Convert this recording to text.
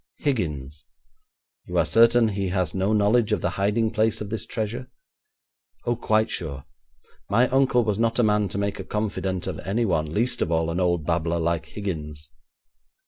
'Higgins.' 'You are certain he has no knowledge of the hiding place of this treasure?' 'Oh, quite sure. My uncle was not a man to make a confidant of anyone, least of all an old babbler like Higgins.'